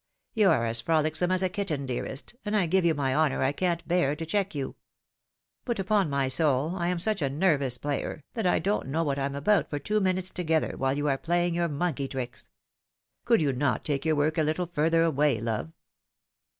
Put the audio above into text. You are as froUcsome as a kitten, dearest, and I give you my honour I can't bear to check you ; but, upon my soul, I am such a nervous player, that I don't know what I'm about for two minutes together, while you are playing your monkey tricks. Could you not take your work a httlefurther away, love?